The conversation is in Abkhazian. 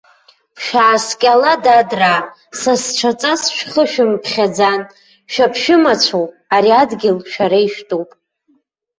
Шәааскьала, дадраа, сасцәаҵас шәхы шәымԥхьаӡан, шәаԥшәымацәоуп, ари адгьыл шәара ишәтәуп!